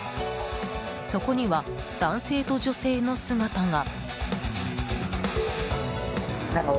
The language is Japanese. そこには男性と女性の姿が。